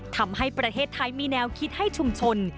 ทำให้ประเทศไทยมีแนวคิดให้ชุมชน